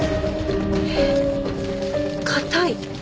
えっ硬い。